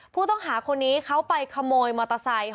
ผู้ต้องหาคนนี้เขาไปขโมยมอเตอร์ไซค์